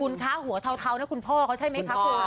คุณคะหัวเทาแล้วคุณพ่อเขาใช่มั้ยครับ